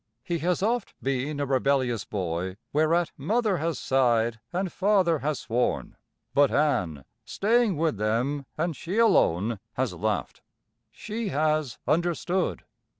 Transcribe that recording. He has oft been a rebellious boy, whereat Mother has sighed and Father has sworn; but Ann, staying with them, and she alone, has laughed. She has understood.